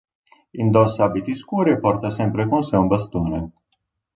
Indossa abiti scuri e porta sempre con sé un bastone.